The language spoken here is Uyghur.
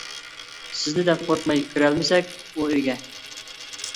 سىزنى دەپ قورقماي كىرەلمىسەك ئۇ ئۆيگە؟ !